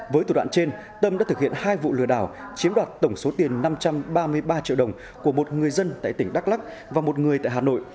với thủ đoạn trên tâm đã thực hiện hai vụ lừa đảo chiếm đoạt tổng số tiền năm trăm ba mươi ba triệu đồng của một người dân tại tỉnh đắk lắc và một người tại hà nội